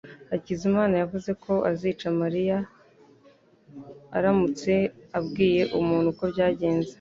Hakizamana yavuze ko azica Mariya aramutse abwiye umuntu uko byagenze.